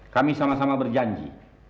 kami sama sama berjanji